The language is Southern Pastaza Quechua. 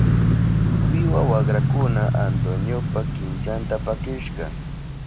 Wiwa wakrakuna Antoniopa kinchanta pakishka.